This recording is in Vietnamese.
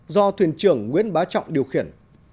do thuyền trưởng nguyễn bá trọng điều khiển